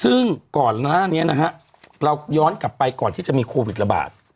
ซึ่งก่อนหน้านี้นะฮะเราย้อนกลับไปก่อนที่จะมีโควิดระบาด